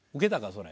それ。